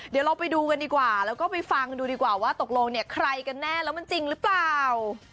เดี๋ยวเราไปดูกันดีกว่าแล้วก็ไปฟังดูดีกว่าว่าตกลงเนี่ยใครกันแน่แล้วมันจริงหรือเปล่า